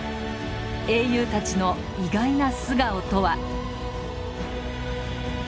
英雄たちの意外な素顔とは？